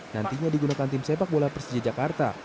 nantinya digunakan tim sepak bola persija jakarta